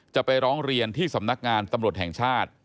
จะไปร้องเรียนที่สำนักงานตำรวจแห่งชาติ